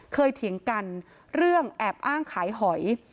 เถียงกันเรื่องแอบอ้างขายหอย